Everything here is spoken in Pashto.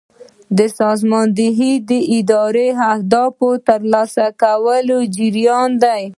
سازماندهي د اداري اهدافو د ترلاسه کولو جریان دی.